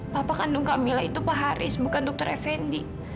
papa kandung kak mila itu pak harsin bukan dr effendi